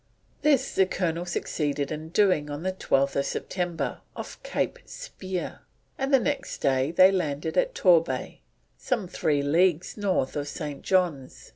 This the Colonel succeeded in doing on 12th September off Cape Spear, and the next day they landed at Torbay, some three leagues north of St. John's.